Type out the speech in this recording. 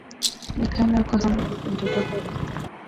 nekana kwa hata mtoto mdogo